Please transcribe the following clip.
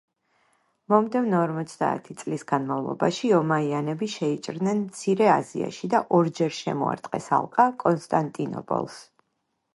მომდევნო ორმოცდაათი წლის განმავლობაში ომაიანები შეიჭრნენ მცირე აზიაში და ორჯერ შემოარტყეს ალყა კონსტანტინოპოლს.